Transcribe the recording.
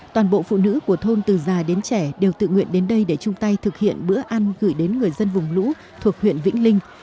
toàn bộ phụ nữ của thôn từ già đến trẻ đều tự nguyện đến đây để chung tay thực hiện bữa ăn gửi đến người dân vùng lũ thuộc huyện vĩnh linh